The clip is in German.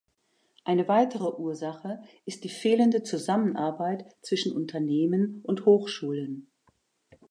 Eine weitere Ursache ist die fehlende Zusammenarbeit zwischen Unternehmen und Hochschulen.